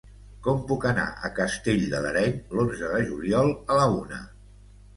Com puc anar a Castell de l'Areny l'onze de juliol a la una?